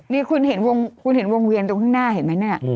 นี่คุณเห็นวงเวียนตรงข้างหน้าเห็นไหมนะ